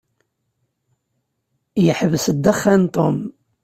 Yeḥbes ddexxan Tom.